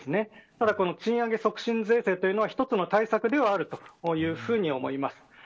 ただ賃上げ促進税制というのは一つの対策ではあると思います。